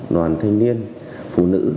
đoàn thanh niên phụ nữ